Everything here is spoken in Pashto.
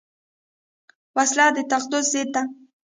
وسله د تقدس ضد ده